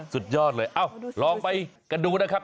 สุดยอดเลยเอ้าลองไปกันดูนะครับ